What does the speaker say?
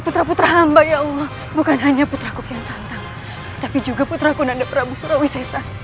tuhan bukan hanya putraku kian santang tapi juga putraku nanda prabu surawi sesa